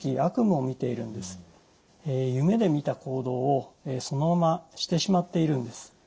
夢でみた行動をそのまましてしまっているんです。